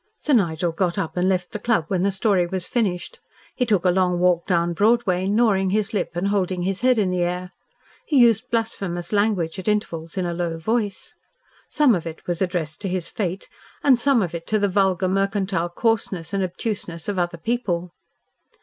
Sir Nigel got up and left the club when the story was finished. He took a long walk down Broadway, gnawing his lip and holding his head in the air. He used blasphemous language at intervals in a low voice. Some of it was addressed to his fate and some of it to the vulgar mercantile coarseness and obtuseness of other people.